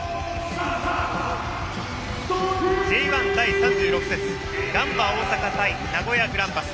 Ｊ１第３６節ガンバ大阪対名古屋グランパス。